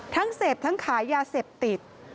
เสพทั้งขายยาเสพติด